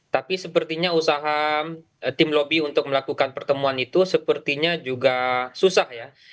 tapi sepertinya usaha tim lobby untuk melakukan pertemuan itu sepertinya juga susah ya